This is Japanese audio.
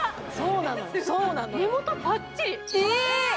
目元パッチリ！